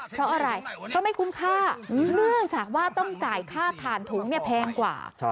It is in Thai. เพราะอะไรก็ไม่คุ้มค่าเนื่องจากว่าต้องจ่ายค่าถ่านถุงเนี่ยแพงกว่า